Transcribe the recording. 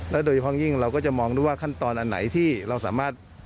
โดยเฉพาะยิ่งเราก็จะมองด้วยว่าขั้นตอนอันไหนที่เราสามารถ